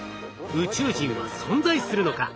宇宙人は存在するのか？